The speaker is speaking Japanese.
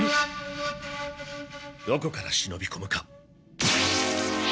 どこから忍びこむか。